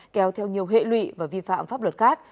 kéo theo nhiều hệ lụy và vi phạm pháp luật khác